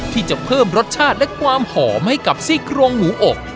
ที่จะเพิ่มรสชาติและความหอมให้กับซี่โครงหมูอบ